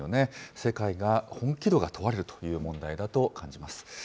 世界が本気度が問われるという問題だと感じます。